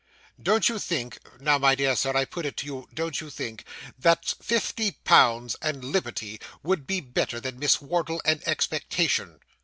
'Don't you think now, my dear Sir, I put it to you don't you think that fifty pounds and liberty would be better than Miss Wardle and expectation?